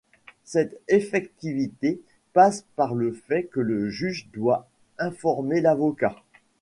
Cette effectivité passe par le fait que le juge doit informer l'avocat.